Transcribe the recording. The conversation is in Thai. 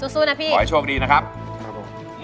สู้นะพี่ขอให้โชคดีนะครับครับผม